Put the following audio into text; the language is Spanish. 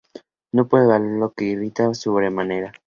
No puede volar, lo que le irrita sobremanera.